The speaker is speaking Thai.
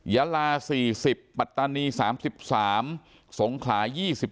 ยาลา๔๐ปัตตานี๓๓สงขลา๒๔